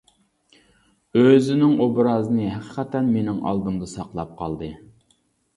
ئۆزىنىڭ ئوبرازىنى ھەقىقەتەن مىنىڭ ئالدىمدا ساقلاپ قالدى.